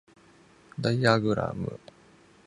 ダイアグラム